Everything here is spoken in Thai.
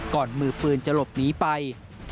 มือปืนจะหลบหนีไป